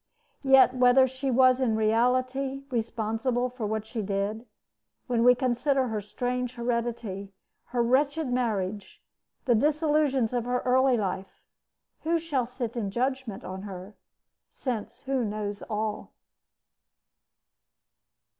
Yet whether she was in reality responsible for what she did, when we consider her strange heredity, her wretched marriage, the disillusions of her early life who shall sit in judgment on her, since who knows all?